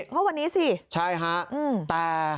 เพราะวันนี้สิใช่ฮะแต่